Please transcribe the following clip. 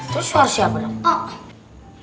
terus suara siapa dong